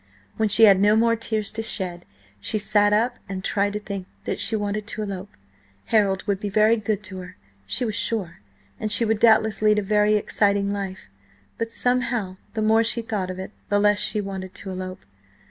When she had no more tears to shed, she sat up and tried to think that she wanted to elope. Harold would be very good to her, she was sure, and she would doubtless lead a very exciting life, but–somehow the more she thought of it, the less she wanted to elope.